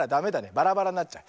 バラバラになっちゃう。